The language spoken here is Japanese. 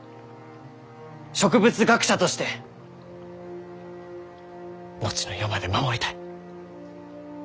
植物学者として後の世まで守りたい。